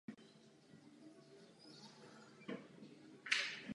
Otec je původem ze Zoo Madrid.